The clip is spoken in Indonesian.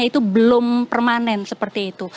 itu belum permanen seperti itu